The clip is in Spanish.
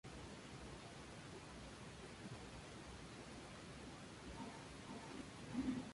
Ciertas partes de su libro fueron reutilizadas en artículos de la "Enciclopedia".